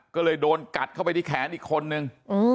ก็เลยโดนกัดเข้าไปที่แขนอีกคนนึง